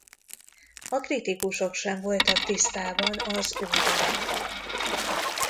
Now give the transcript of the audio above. A kritikusok sem voltak tisztában az új darabbal.